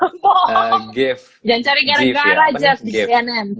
jangan cari gara gara jeff di cnn